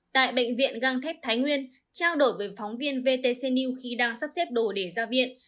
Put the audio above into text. tại bệnh viện găng thép thái nguyên trao đổi với phóng viên vtc new khi đang sắp xếp đồ để ra viện